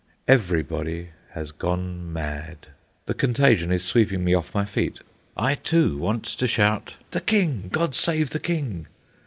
Everybody has gone mad. The contagion is sweeping me off my feet—I, too, want to shout, "The King! God save the King!"